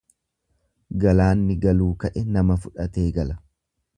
Galaanni galuu ka'e nama fudhatee gala.